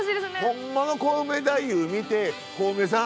ほんまのコウメ太夫見て「コウメさん